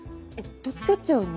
特許庁に？